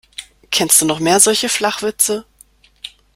Kennst du noch mehr solche Flachwitze?